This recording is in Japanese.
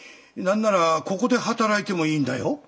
何ならここで働いてもいいんだよ。